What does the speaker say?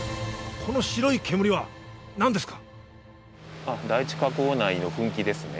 この白い煙は何ですか？